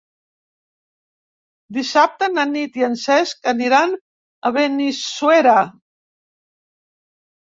Dissabte na Nit i en Cesc aniran a Benissuera.